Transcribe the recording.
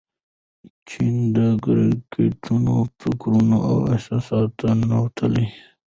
جین د کرکټرونو فکرونو او احساساتو ته ننوتله.